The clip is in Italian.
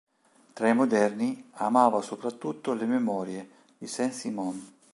Tra i moderni, amava soprattutto le "Memorie" di Saint-Simon.